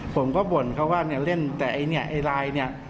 ผมก็บ่นเขาว่าเนี่ยเล่นแต่ไอ้เนี่ยไอ้ไลน์เนี่ย